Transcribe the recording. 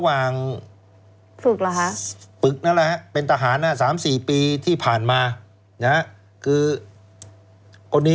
ท่านผู้ชมครับมีรายชื่อของทหารที่เสียชีวิตนะครับ